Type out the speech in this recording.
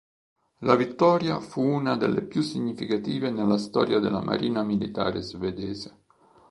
La vittoria fu una delle più significative nella storia della marina militare svedese.